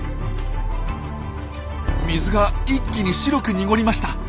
水が一気に白く濁りました。